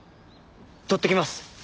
取ってきます。